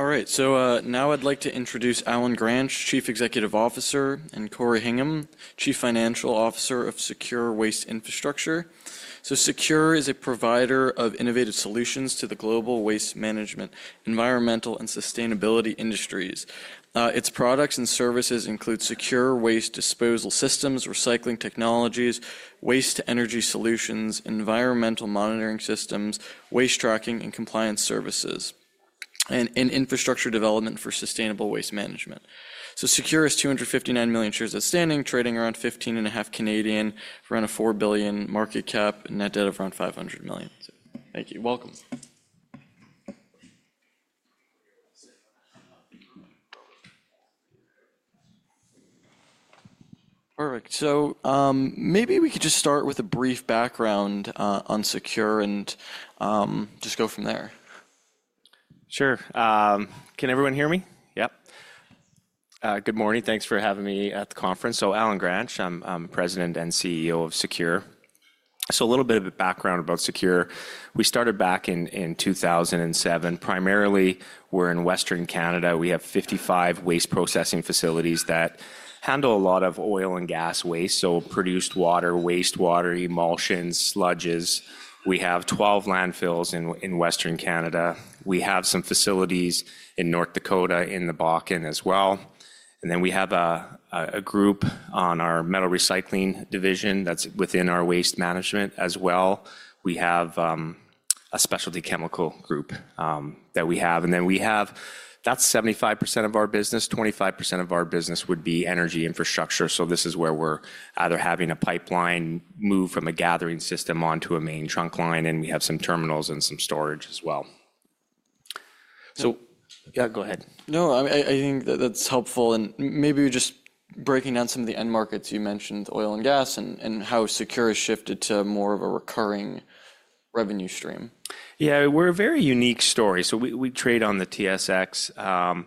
All right, so now I'd like to introduce Allen Gransch, Chief Executive Officer, and Corey Higham, Chief Financial Officer of Secure Waste Infrastructure. Secure is a provider of innovative solutions to the global waste management, environmental, and sustainability industries. Its products and services include secure waste disposal systems, recycling technologies, waste-to-energy solutions, environmental monitoring systems, waste tracking and compliance services, and infrastructure development for sustainable waste management. Secure is 259 million shares outstanding, trading around 15.5 for around a 4 billion market cap, and net debt of around 500 million. Thank you. Welcome. Alright. Maybe we could just start with a brief background on Secure and just go from there. Sure. Can everyone hear me? Yep. Good morning. Thanks for having me at the conference. Allen Gransch, I'm President and CEO of Secure. A little bit of background about Secure. We started back in 2007. Primarily, we're in Western Canada. We have 55 waste processing facilities that handle a lot of oil and gas waste, so produced water, wastewater, emulsions, sludges. We have 12 landfills in Western Canada. We have some facilities in North Dakota in the Bakken as well. We have a group on our metal recycling division that's within our waste management as well. We have a specialty chemical group that we have. That's 75% of our business. 25% of our business would be energy infrastructure. This is where we're either having a pipeline move from a gathering system onto a main trunk line, and we have some terminals and some storage as well. Yeah, go ahead. No, I think that's helpful. Maybe just breaking down some of the end markets you mentioned, oil and gas, and how Secure has shifted to more of a recurring revenue stream. Yeah, we're a very unique story. We trade on the TSX.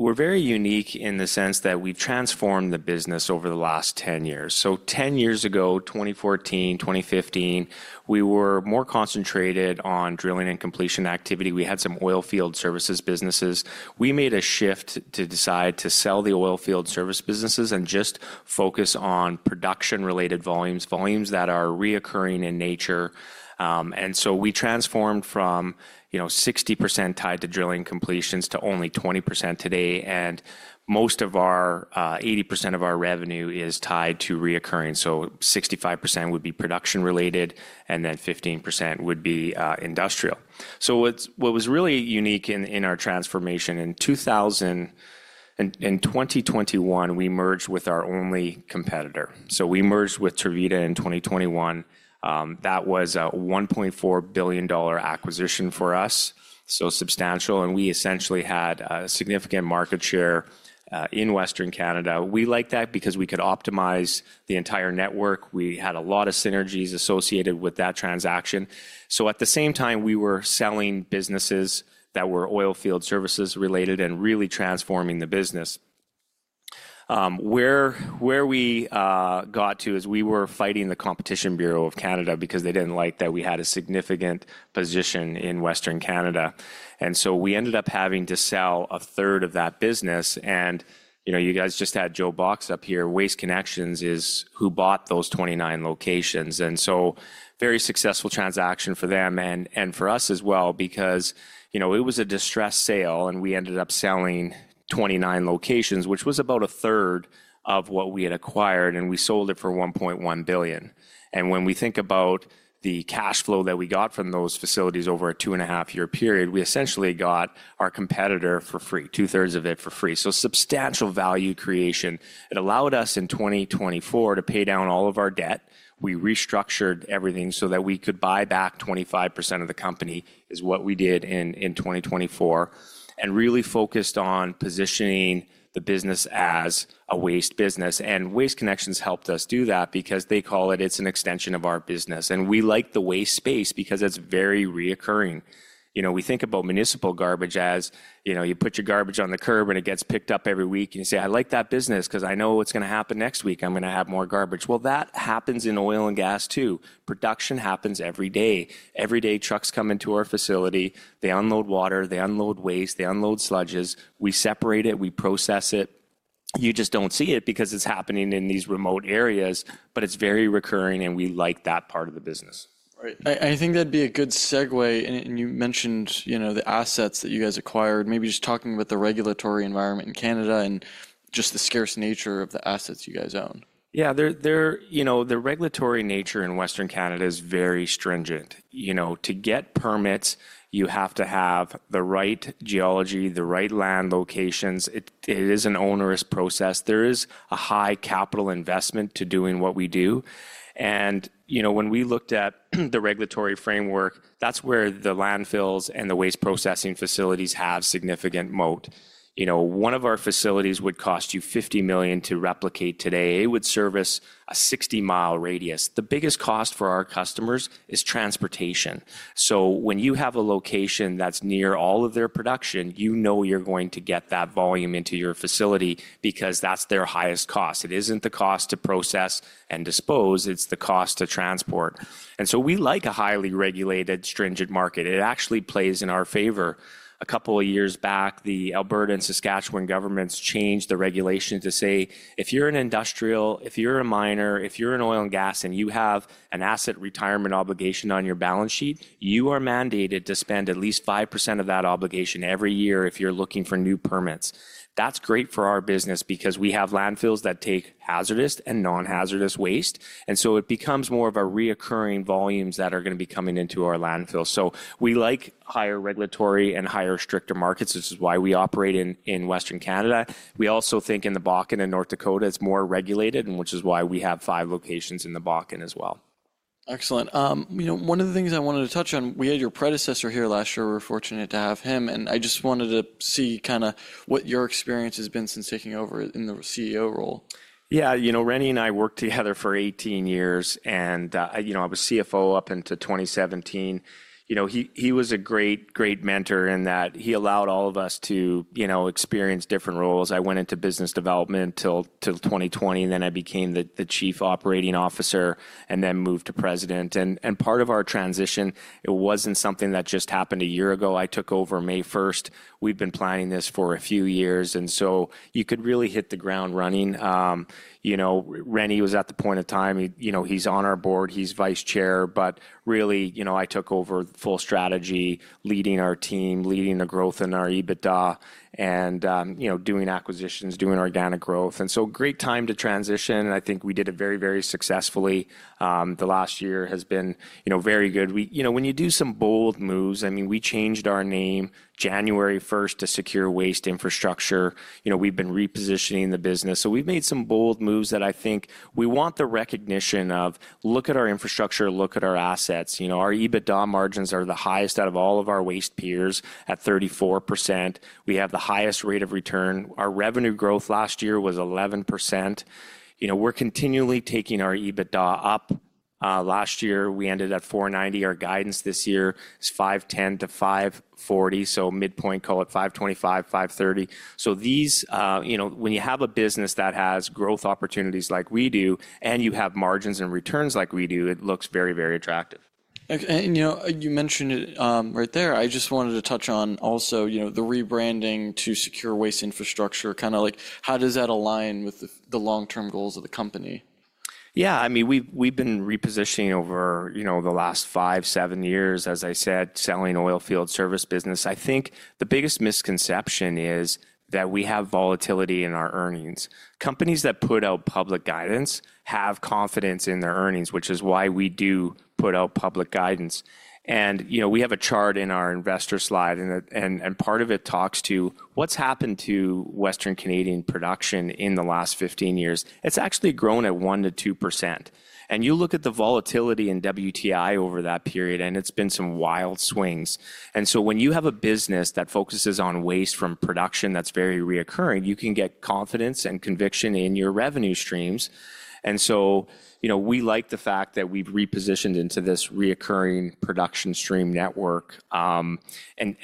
We're very unique in the sense that we've transformed the business over the last 10 years. Ten years ago, 2014, 2015, we were more concentrated on drilling and completion activity. We had some oil field services businesses. We made a shift to decide to sell the oil field service businesses and just focus on production-related volumes, volumes that are reoccurring in nature. We transformed from 60% tied to drilling completions to only 20% today. Most of our 80% of our revenue is tied to reoccurring. Sixty-five percent would be production-related, and then 15% would be industrial. What was really unique in our transformation in 2021, we merged with our only competitor. We merged with Tervita in 2021. That was a 1.4 billion dollar acquisition for us, so substantial. We essentially had a significant market share in Western Canada. We liked that because we could optimize the entire network. We had a lot of synergies associated with that transaction. At the same time, we were selling businesses that were oil field services related and really transforming the business. Where we got to is we were fighting the Competition Bureau of Canada because they did not like that we had a significant position in Western Canada. We ended up having to sell a third of that business. You guys just had Joe Box up here. Waste Connections is who bought those 29 locations. It was a very successful transaction for them and for us as well because it was a distressed sale, and we ended up selling 29 locations, which was about a third of what we had acquired, and we sold it for 1.1 billion. When we think about the cash flow that we got from those facilities over a two-and-a-half-year period, we essentially got our competitor for free, two-thirds of it for free. Substantial value creation. It allowed us in 2024 to pay down all of our debt. We restructured everything so that we could buy back 25% of the company, is what we did in 2024, and really focused on positioning the business as a waste business. Waste Connections helped us do that because they call it it's an extension of our business. We like the waste space because it's very reoccurring. We think about municipal garbage as you put your garbage on the curb, and it gets picked up every week, and you say, "I like that business because I know what's going to happen next week. I'm going to have more garbage." That happens in oil and gas, too. Production happens every day. Every day, trucks come into our facility. They unload water. They unload waste. They unload sludges. We separate it. We process it. You just do not see it because it is happening in these remote areas, but it is very recurring, and we like that part of the business. Right. I think that'd be a good segue. You mentioned the assets that you guys acquired, maybe just talking about the regulatory environment in Canada and just the scarce nature of the assets you guys own. Yeah, the regulatory nature in Western Canada is very stringent. To get permits, you have to have the right geology, the right land locations. It is an onerous process. There is a high capital investment to doing what we do. When we looked at the regulatory framework, that's where the landfills and the waste processing facilities have significant moat. One of our facilities would cost you 50 million to replicate today. It would service a 60 mi radius. The biggest cost for our customers is transportation. When you have a location that's near all of their production, you know you're going to get that volume into your facility because that's their highest cost. It isn't the cost to process and dispose. It's the cost to transport. We like a highly regulated, stringent market. It actually plays in our favor. A couple of years back, the Alberta and Saskatchewan governments changed the regulation to say, "If you're an industrial, if you're a miner, if you're an oil and gas, and you have an asset retirement obligation on your balance sheet, you are mandated to spend at least 5% of that obligation every year if you're looking for new permits." That is great for our business because we have landfills that take hazardous and non-hazardous waste. It becomes more of a recurring volumes that are going to be coming into our landfill. We like higher regulatory and higher stricter markets. This is why we operate in Western Canada. We also think in the Bakken in North Dakota, it is more regulated, which is why we have five locations in the Bakken as well. Excellent. One of the things I wanted to touch on, we had your predecessor here last year. We're fortunate to have him. I just wanted to see kind of what your experience has been since taking over in the CEO role. Yeah, you know Rene and I worked together for 18 years. And I was CFO up until 2017. He was a great, great mentor in that he allowed all of us to experience different roles. I went into business development until 2020, and then I became the Chief Operating Officer and then moved to President. Part of our transition, it wasn't something that just happened a year ago. I took over May 1st. We've been planning this for a few years. You could really hit the ground running. Rene was at the point of time. He's on our board. He's Vice Chair. Really, I took over full strategy, leading our team, leading the growth in our EBITDA, and doing acquisitions, doing organic growth. Great time to transition. I think we did it very, very successfully. The last year has been very good. When you do some bold moves, I mean, we changed our name January 1 to Secure Waste Infrastructure. We've been repositioning the business. We've made some bold moves that I think we want the recognition of, "Look at our infrastructure. Look at our assets." Our EBITDA margins are the highest out of all of our waste peers at 34%. We have the highest rate of return. Our revenue growth last year was 11%. We're continually taking our EBITDA up. Last year, we ended at 490 million. Our guidance this year is 510 million-540 million, so midpoint, call it 525 million, 530 million. When you have a business that has growth opportunities like we do, and you have margins and returns like we do, it looks very, very attractive. You mentioned it right there. I just wanted to touch on also the rebranding to Secure Waste Infrastructure. Kind of how does that align with the long-term goals of the company? Yeah, I mean, we've been repositioning over the last five, seven years, as I said, selling oil field service business. I think the biggest misconception is that we have volatility in our earnings. Companies that put out public guidance have confidence in their earnings, which is why we do put out public guidance. We have a chart in our investor slide, and part of it talks to what's happened to Western Canadian production in the last 15 years. It's actually grown at 1%-2%. You look at the volatility in WTI over that period, and it's been some wild swings. When you have a business that focuses on waste from production that's very reoccurring, you can get confidence and conviction in your revenue streams. We like the fact that we've repositioned into this reoccurring production stream network. That's been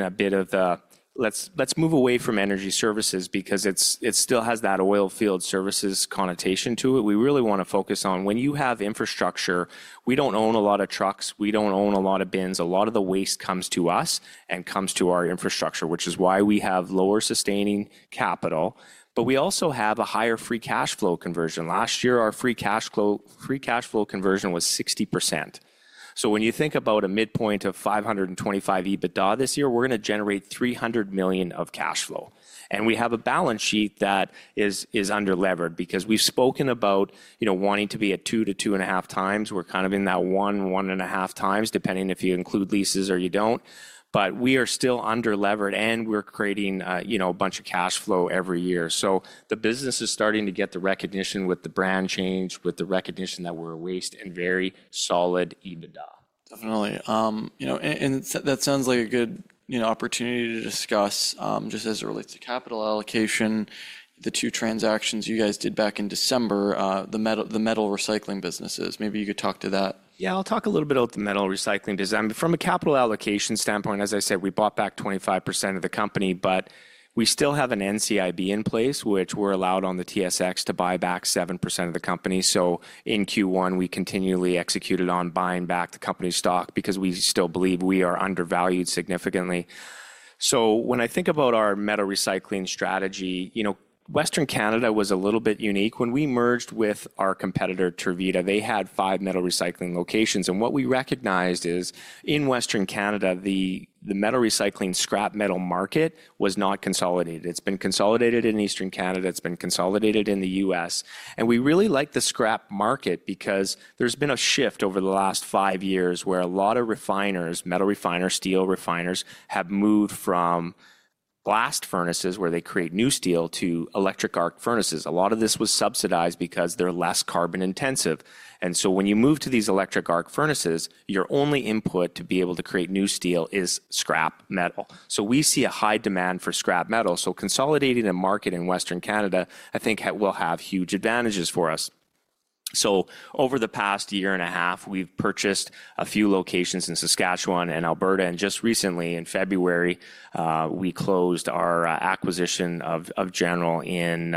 a bit of the, "Let's move away from energy services because it still has that oil field services connotation to it." We really want to focus on when you have infrastructure. We do not own a lot of trucks. We do not own a lot of bins. A lot of the waste comes to us and comes to our infrastructure, which is why we have lower sustaining capital. We also have a higher free cash flow conversion. Last year, our free cash flow conversion was 60%. When you think about a midpoint of 525 million EBITDA this year, we are going to generate 300 million of cash flow. We have a balance sheet that is under-levered because we have spoken about wanting to be at two to two and a half times. We're kind of in that one, one and a half times, depending if you include leases or you do not. We are still under-levered, and we're creating a bunch of cash flow every year. The business is starting to get the recognition with the brand change, with the recognition that we're a waste and very solid EBITDA. Definitely. That sounds like a good opportunity to discuss just as it relates to capital allocation, the two transactions you guys did back in December, the metal recycling businesses. Maybe you could talk to that. Yeah, I'll talk a little bit about the metal recycling business. From a capital allocation standpoint, as I said, we bought back 25% of the company. We still have an NCIB in place, which we're allowed on the TSX to buy back 7% of the company. In Q1, we continually executed on buying back the company's stock because we still believe we are undervalued significantly. When I think about our metal recycling strategy, Western Canada was a little bit unique. When we merged with our competitor, Tervita, they had five metal recycling locations. What we recognized is in Western Canada, the metal recycling scrap metal market was not consolidated. It's been consolidated in Eastern Canada. It's been consolidated in the US. We really like the scrap market because there's been a shift over the last five years where a lot of refiners, metal refiners, steel refiners have moved from blast furnaces where they create new steel to electric arc furnaces. A lot of this was subsidized because they're less carbon intensive. When you move to these electric arc furnaces, your only input to be able to create new steel is scrap metal. We see a high demand for scrap metal. Consolidating a market in Western Canada, I think, will have huge advantages for us. Over the past year and a half, we've purchased a few locations in Saskatchewan and Alberta. Just recently, in February, we closed our acquisition of General in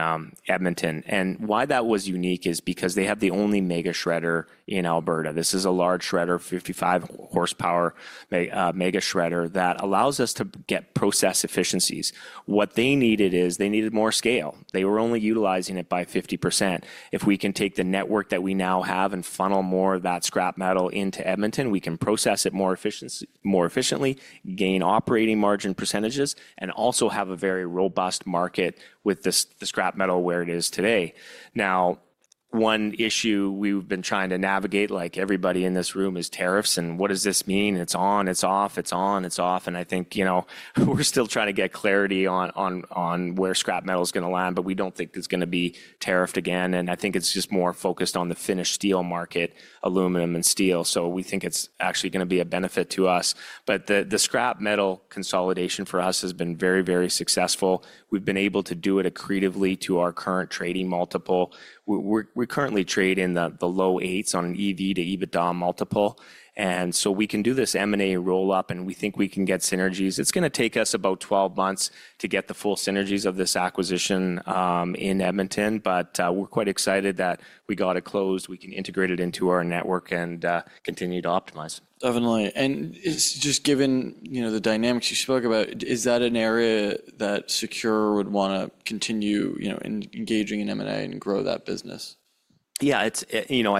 Edmonton. Why that was unique is because they have the only mega shredder in Alberta. This is a large shredder, 55-horsepower mega shredder that allows us to get process efficiencies. What they needed is they needed more scale. They were only utilizing it by 50%. If we can take the network that we now have and funnel more of that scrap metal into Edmonton, we can process it more efficiently, gain operating margin percentages, and also have a very robust market with the scrap metal where it is today. One issue we have been trying to navigate, like everybody in this room, is tariffs. What does this mean? It is on, it is off, it is on, it is off. I think we are still trying to get clarity on where scrap metal is going to land, but we do not think it is going to be tariffed again. I think it is just more focused on the finished steel market, aluminum and steel. We think it's actually going to be a benefit to us. The scrap metal consolidation for us has been very, very successful. We've been able to do it accretively to our current trading multiple. We're currently trading the low eights on an EV to EBITDA multiple. We can do this M&A roll-up, and we think we can get synergies. It's going to take us about 12 months to get the full synergies of this acquisition in Edmonton. We're quite excited that we got it closed. We can integrate it into our network and continue to optimize. Definitely. Just given the dynamics you spoke about, is that an area that Secure would want to continue engaging in M&A and grow that business? Yeah, I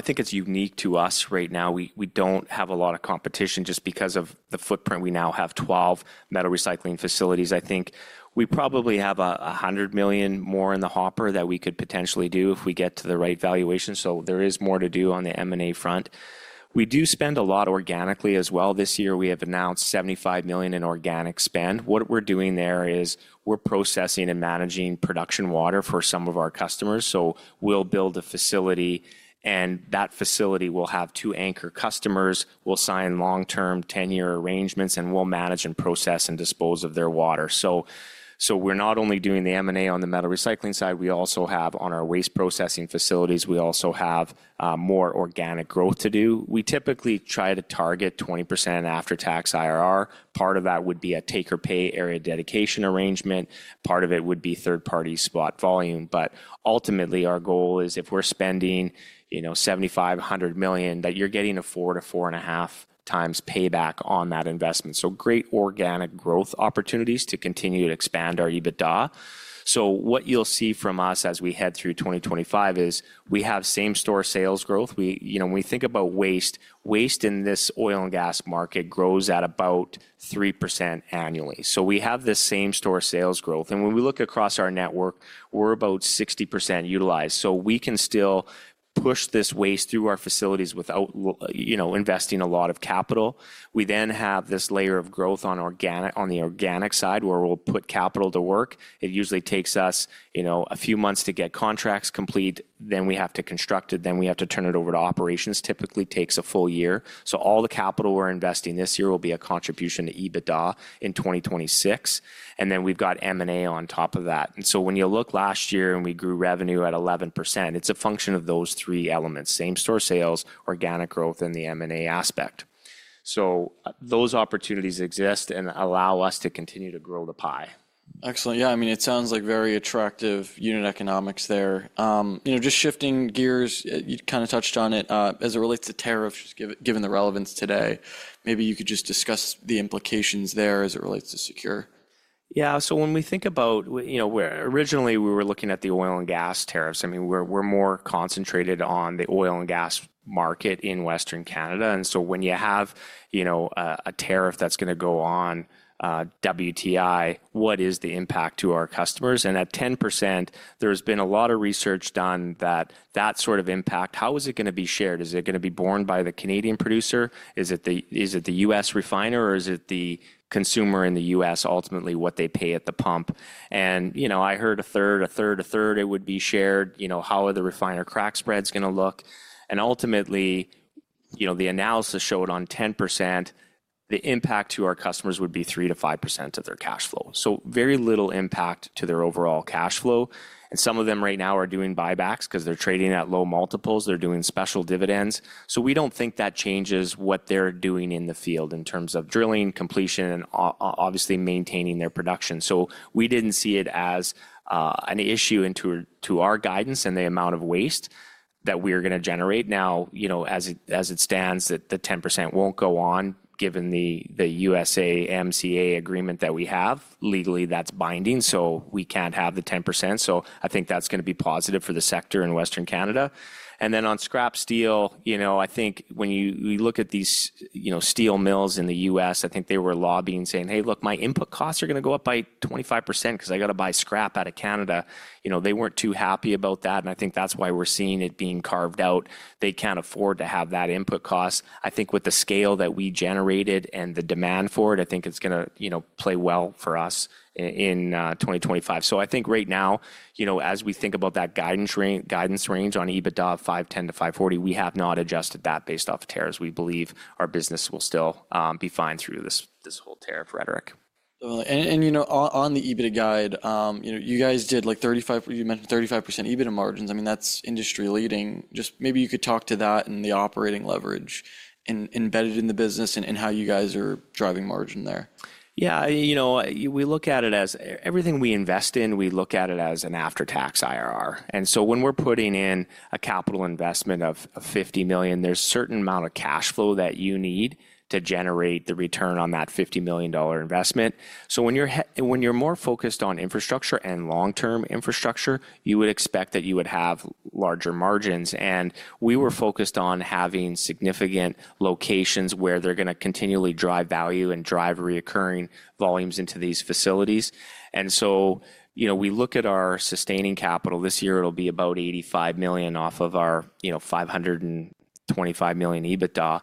think it's unique to us right now. We don't have a lot of competition just because of the footprint. We now have 12 metal recycling facilities. I think we probably have 100 million more in the hopper that we could potentially do if we get to the right valuation. There is more to do on the M&A front. We do spend a lot organically as well this year. We have announced 75 million in organic spend. What we're doing there is we're processing and managing production water for some of our customers. We'll build a facility, and that facility will have two anchor customers. We'll sign long-term 10-year arrangements, and we'll manage and process and dispose of their water. We're not only doing the M&A on the metal recycling side. We also have on our waste processing facilities, we also have more organic growth to do. We typically try to target 20% after-tax IRR. Part of that would be a take-or-pay area dedication arrangement. Part of it would be third-party spot volume. Ultimately, our goal is if we're spending 750-800 million, that you're getting a four- to four and a half-times payback on that investment. Great organic growth opportunities to continue to expand our EBITDA. What you'll see from us as we head through 2025 is we have same-store sales growth. When we think about waste, waste in this oil and gas market grows at about 3% annually. We have this same-store sales growth. When we look across our network, we're about 60% utilized. We can still push this waste through our facilities without investing a lot of capital. We then have this layer of growth on the organic side where we'll put capital to work. It usually takes us a few months to get contracts complete. Then we have to construct it. Then we have to turn it over to operations. Typically, it takes a full year. All the capital we're investing this year will be a contribution to EBITDA in 2026. We have M&A on top of that. When you look last year, and we grew revenue at 11%, it's a function of those three elements: same-store sales, organic growth, and the M&A aspect. Those opportunities exist and allow us to continue to grow the pie. Excellent. Yeah, I mean, it sounds like very attractive unit economics there. Just shifting gears, you kind of touched on it as it relates to tariffs, given the relevance today. Maybe you could just discuss the implications there as it relates to Secure. Yeah, so when we think about where originally we were looking at the oil and gas tariffs, I mean, we're more concentrated on the oil and gas market in Western Canada. When you have a tariff that's going to go on WTI, what is the impact to our customers? At 10%, there has been a lot of research done that that sort of impact, how is it going to be shared? Is it going to be borne by the Canadian producer? Is it the U.S. refiner? Or is it the consumer in the U.S., ultimately what they pay at the pump? I heard a third, a third, a third, it would be shared. How are the refiner crack spreads going to look? Ultimately, the analysis showed on 10%, the impact to our customers would be 3%-5% of their cash flow. Very little impact to their overall cash flow. Some of them right now are doing buybacks because they're trading at low multiples. They're doing special dividends. We don't think that changes what they're doing in the field in terms of drilling, completion, and obviously maintaining their production. We didn't see it as an issue into our guidance and the amount of waste that we are going to generate. As it stands, the 10% won't go on given the USMCA agreement that we have. Legally, that's binding. We can't have the 10%. I think that's going to be positive for the sector in Western Canada. On scrap steel, I think when you look at these steel mills in the U.S., I think they were lobbying saying, "Hey, look, my input costs are going to go up by 25% because I got to buy scrap out of Canada." They were not too happy about that. I think that is why we are seeing it being carved out. They cannot afford to have that input cost. I think with the scale that we generated and the demand for it, I think it is going to play well for us in 2025. Right now, as we think about that guidance range on EBITDA of 510 million-540 million, we have not adjusted that based off of tariffs. We believe our business will still be fine through this whole tariff rhetoric. Definitely. On the EBITDA guide, you guys did like 35%, you mentioned 35% EBITDA margins. I mean, that's industry leading. Just maybe you could talk to that and the operating leverage embedded in the business and how you guys are driving margin there. Yeah, we look at it as everything we invest in, we look at it as an after-tax IRR. When we are putting in a capital investment of $50 million, there is a certain amount of cash flow that you need to generate the return on that $50 million investment. When you are more focused on infrastructure and long-term infrastructure, you would expect that you would have larger margins. We were focused on having significant locations where they are going to continually drive value and drive reoccurring volumes into these facilities. We look at our sustaining capital. This year, it will be about $85 million off of our $525 million EBITDA.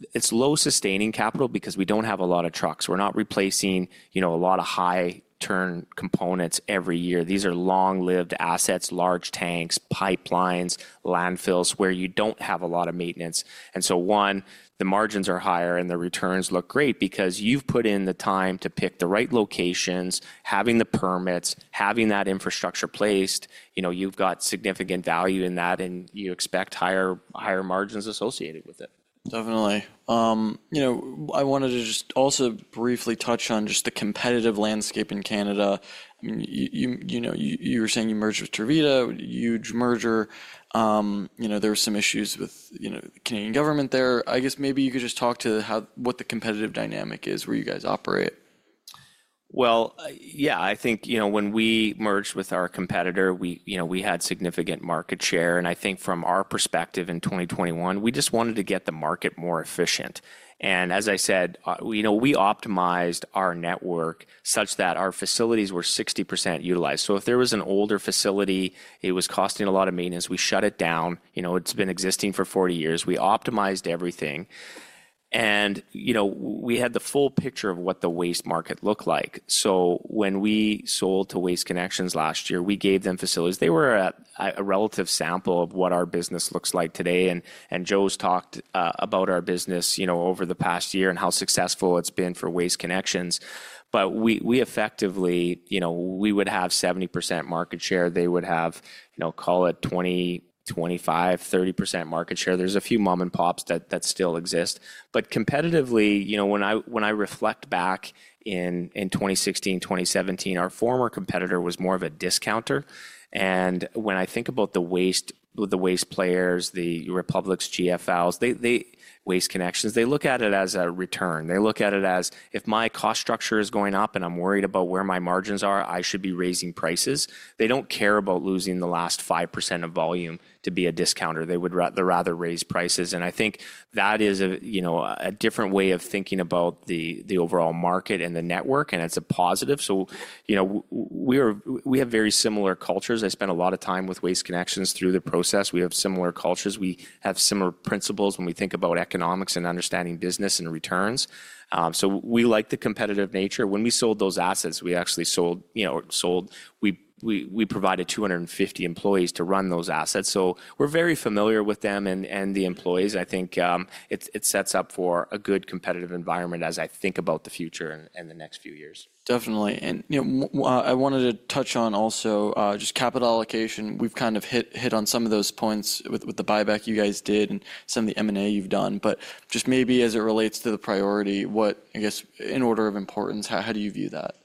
It is low sustaining capital because we do not have a lot of trucks. We are not replacing a lot of high-turn components every year. These are long-lived assets, large tanks, pipelines, landfills where you do not have a lot of maintenance. The margins are higher and the returns look great because you've put in the time to pick the right locations, having the permits, having that infrastructure placed. You've got significant value in that, and you expect higher margins associated with it. Definitely. I wanted to just also briefly touch on just the competitive landscape in Canada. I mean, you were saying you merged with Tervita, huge merger. There were some issues with the Canadian government there. I guess maybe you could just talk to what the competitive dynamic is where you guys operate. I think when we merged with our competitor, we had significant market share. I think from our perspective in 2021, we just wanted to get the market more efficient. As I said, we optimized our network such that our facilities were 60% utilized. If there was an older facility, it was costing a lot of maintenance. We shut it down. It has been existing for 40 years. We optimized everything. We had the full picture of what the waste market looked like. When we sold to Waste Connections last year, we gave them facilities. They were a relative sample of what our business looks like today. Joe has talked about our business over the past year and how successful it has been for Waste Connections. We effectively would have 70% market share. They would have, call it 20-25-30% market share. There's a few mom-and-pops that still exist. Competitively, when I reflect back in 2016, 2017, our former competitor was more of a discounter. When I think about the waste players, the Republic's, GFLs, Waste Connections, they look at it as a return. They look at it as if my cost structure is going up and I'm worried about where my margins are, I should be raising prices. They do not care about losing the last 5% of volume to be a discounter. They would rather raise prices. I think that is a different way of thinking about the overall market and the network. It is a positive. We have very similar cultures. I spent a lot of time with Waste Connections through the process. We have similar cultures. We have similar principles when we think about economics and understanding business and returns. We like the competitive nature. When we sold those assets, we actually sold, we provided 250 employees to run those assets. So we're very familiar with them and the employees. I think it sets up for a good competitive environment as I think about the future and the next few years. Definitely. I wanted to touch on also just capital allocation. We have kind of hit on some of those points with the buyback you guys did and some of the M&A you have done. Just maybe as it relates to the priority, what, I guess, in order of importance, how do you view that?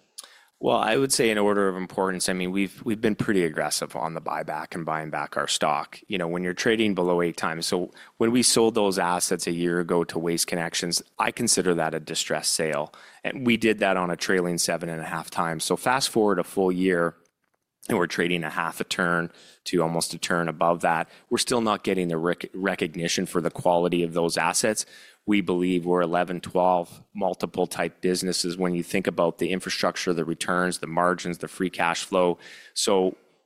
I would say in order of importance, I mean, we've been pretty aggressive on the buyback and buying back our stock. When you're trading below eight times, when we sold those assets a year ago to Waste Connections, I consider that a distressed sale. We did that on a trailing seven and a half times. Fast forward a full year, and we're trading a half a turn to almost a turn above that. We're still not getting the recognition for the quality of those assets. We believe we're 11-12 multiple type businesses when you think about the infrastructure, the returns, the margins, the free cash flow.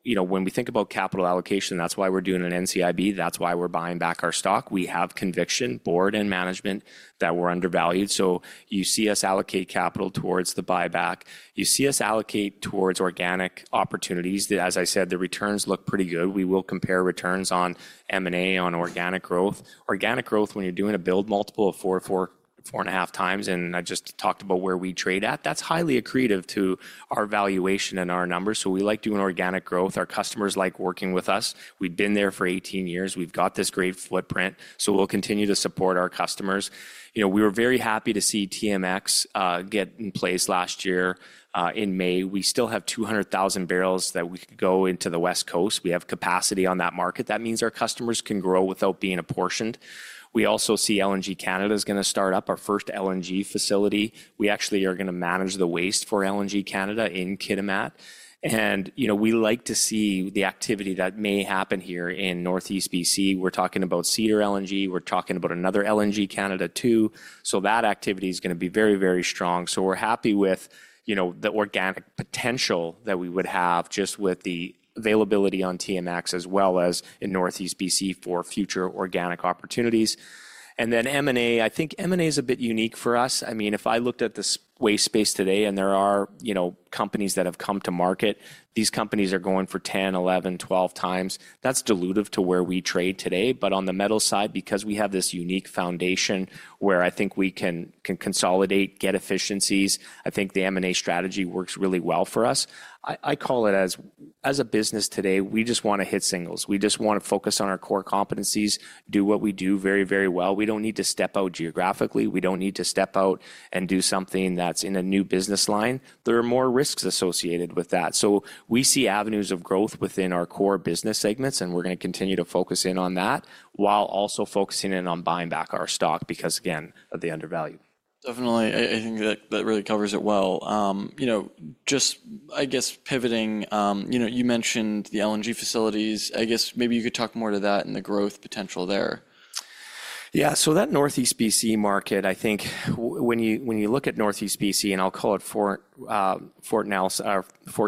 When we think about capital allocation, that's why we're doing an NCIB. That's why we're buying back our stock. We have conviction, board and management that we're undervalued. You see us allocate capital towards the buyback. You see us allocate towards organic opportunities. As I said, the returns look pretty good. We will compare returns on M&A, on organic growth. Organic growth, when you're doing a build multiple of 4-4.5 times, and I just talked about where we trade at, that's highly accretive to our valuation and our numbers. We like doing organic growth. Our customers like working with us. We've been there for 18 years. We've got this great footprint. We will continue to support our customers. We were very happy to see TMX get in place last year in May. We still have 200,000 barrels that we could go into the West Coast. We have capacity on that market. That means our customers can grow without being apportioned. We also see LNG Canada is going to start up our first LNG facility. We actually are going to manage the waste for LNG Canada in Kitimat. We like to see the activity that may happen here in Northeast BC. We're talking about Cedar LNG. We're talking about another LNG Canada too. That activity is going to be very, very strong. We are happy with the organic potential that we would have just with the availability on TMX as well as in Northeast BC for future organic opportunities. M&A, I think M&A is a bit unique for us. I mean, if I looked at the waste space today and there are companies that have come to market, these companies are going for 10, 11, 12 times. That's dilutive to where we trade today. On the metal side, because we have this unique foundation where I think we can consolidate, get efficiencies, I think the M&A strategy works really well for us. I call it as a business today, we just want to hit singles. We just want to focus on our core competencies, do what we do very, very well. We do not need to step out geographically. We do not need to step out and do something that is in a new business line. There are more risks associated with that. We see avenues of growth within our core business segments, and we are going to continue to focus in on that while also focusing in on buying back our stock because, again, of the undervalue. Definitely. I think that really covers it well. Just, I guess, pivoting, you mentioned the LNG facilities. I guess maybe you could talk more to that and the growth potential there. Yeah, so that Northeast BC market, I think when you look at Northeast BC, and I'll call it Fort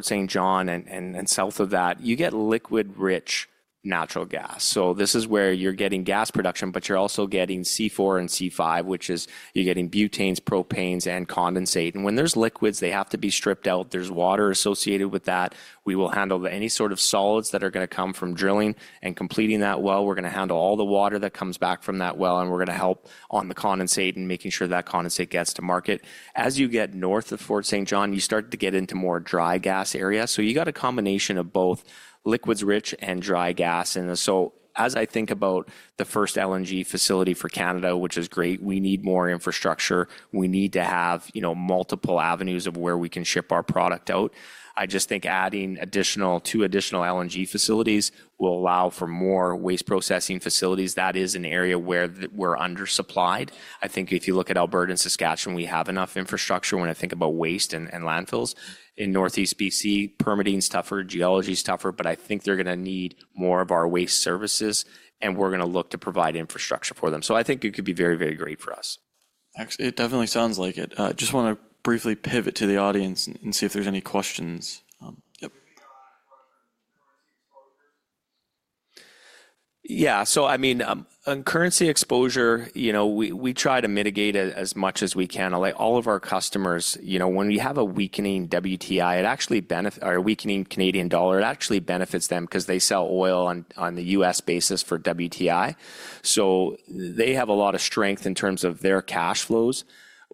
St. John and south of that, you get liquids-rich natural gas. This is where you're getting gas production, but you're also getting C4 and C5, which is you're getting butanes, propanes, and condensate. When there's liquids, they have to be stripped out. There's water associated with that. We will handle any sort of solids that are going to come from drilling and completing that well. We're going to handle all the water that comes back from that well, and we're going to help on the condensate and making sure that condensate gets to market. As you get north of Fort St. John, you start to get into more dry gas area. You have a combination of both liquids-rich and dry gas. As I think about the first LNG facility for Canada, which is great, we need more infrastructure. We need to have multiple avenues of where we can ship our product out. I just think adding two additional LNG facilities will allow for more waste processing facilities. That is an area where we're undersupplied. I think if you look at Alberta and Saskatchewan, we have enough infrastructure when I think about waste and landfills. In Northeast BC, permitting is tougher, geology is tougher, but I think they're going to need more of our waste services, and we're going to look to provide infrastructure for them. I think it could be very, very great for us. It definitely sounds like it. Just want to briefly pivot to the audience and see if there's any questions. Yes. Yeah. I mean, on currency exposure, we try to mitigate it as much as we can. All of our customers, when we have a weakening WTI, it actually benefits our weakening Canadian dollar. It actually benefits them because they sell oil on the U.S. basis for WTI. They have a lot of strength in terms of their cash flows.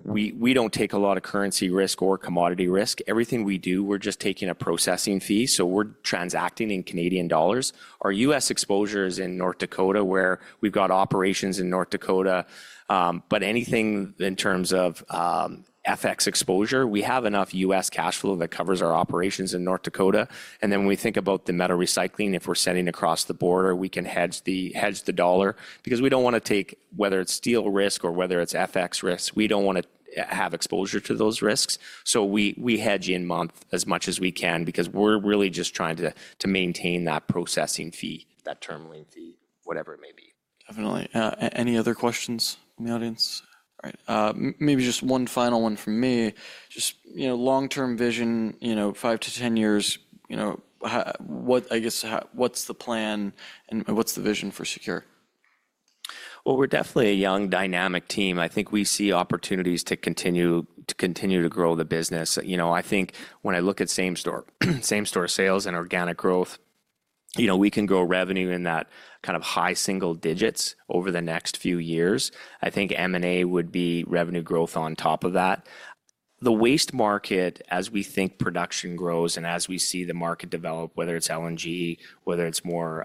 We do not take a lot of currency risk or commodity risk. Everything we do, we are just taking a processing fee. We are transacting in CAD. Our U.S. exposure is in North Dakota where we have operations in North Dakota. Anything in terms of FX exposure, we have enough U.S. cash flow that covers our operations in North Dakota. When we think about the metal recycling, if we're sending across the border, we can hedge the dollar because we don't want to take whether it's steel risk or whether it's FX risks, we don't want to have exposure to those risks. We hedge in month as much as we can because we're really just trying to maintain that processing fee, that term lien fee, whatever it may be. Definitely. Any other questions in the audience? All right. Maybe just one final one from me. Just long-term vision, 5 to 10 years, I guess what's the plan and what's the vision for SECURE? We're definitely a young, dynamic team. I think we see opportunities to continue to grow the business. I think when I look at same-store sales and organic growth, we can grow revenue in that kind of high single digits over the next few years. I think M&A would be revenue growth on top of that. The waste market, as we think production grows and as we see the market develop, whether it's LNG, whether it's more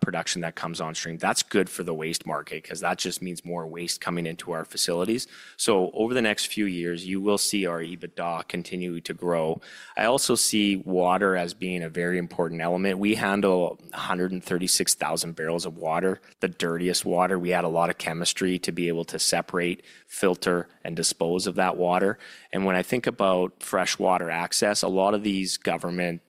production that comes on stream, that's good for the waste market because that just means more waste coming into our facilities. Over the next few years, you will see our EBITDA continue to grow. I also see water as being a very important element. We handle 136,000 barrels of water, the dirtiest water. We add a lot of chemistry to be able to separate, filter, and dispose of that water. When I think about freshwater access, a lot of these government,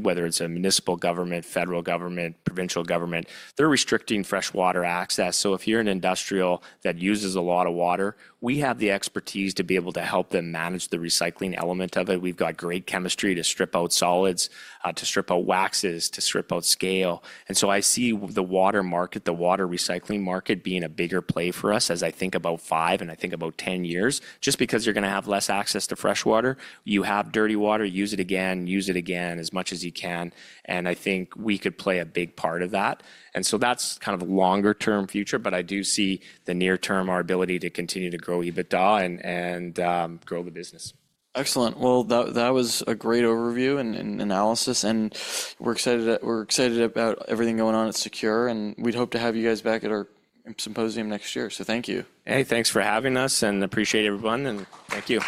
whether it's a municipal government, federal government, provincial government, they're restricting freshwater access. If you're an industrial that uses a lot of water, we have the expertise to be able to help them manage the recycling element of it. We've got great chemistry to strip out solids, to strip out waxes, to strip out scale. I see the water market, the water recycling market being a bigger play for us as I think about five and I think about 10 years. Just because you're going to have less access to freshwater, you have dirty water, use it again, use it again as much as you can. I think we could play a big part of that. That is kind of a longer-term future, but I do see the near-term our ability to continue to grow EBITDA and grow the business. Excellent. That was a great overview and analysis. We are excited about everything going on at Secure, and we hope to have you guys back at our symposium next year. Thank you. Hey, thanks for having us. I appreciate everyone, and thank you.